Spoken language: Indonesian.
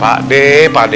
pak d pak d